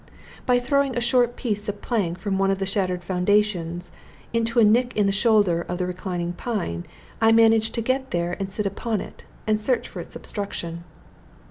By throwing a short piece of plank from one of the shattered foundations into a nick in the shoulder of the reclining pile, I managed to get there and sit upon it, and search for its obstruction.